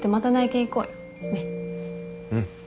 うん。